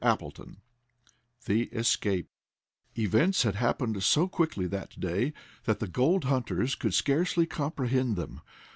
Chapter Twenty One The Escape Events had happened so quickly that day that the gold hunters could scarcely comprehend them.